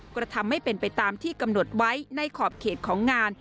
ก็ทำให้เป็นไปตามที่กำหนดไว้ในขอบเขตของงาน